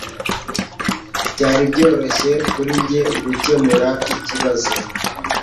Byari byoroshye kuri njye gukemura ikibazo.